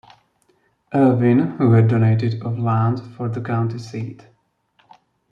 Ervin, who had donated of land for the county seat.